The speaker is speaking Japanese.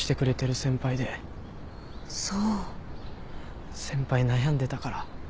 先輩悩んでたから。